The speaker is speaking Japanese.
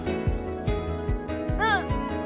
うん！